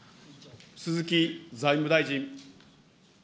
鈴木財務大臣。